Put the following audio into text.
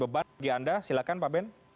beban bagi anda silakan pak ben